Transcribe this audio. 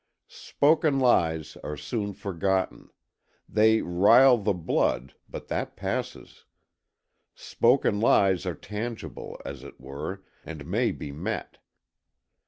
Spoken lies are soon forgotten. They "rile" the blood but that passes. Spoken lies are tangible, as it were, and may be met.